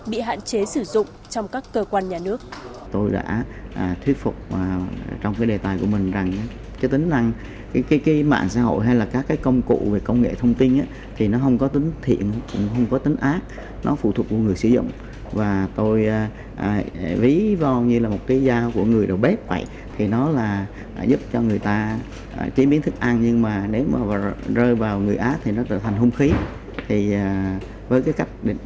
facebook bị hạn chế sử dụng trong các cơ quan nhà nước